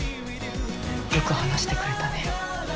よく話してくれたね。